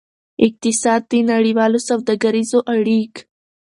اقتصاد د نړیوالو سوداګریزو اړیک